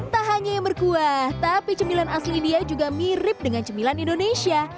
tak hanya yang berkuah tapi cemilan asli india juga mirip dengan cemilan indonesia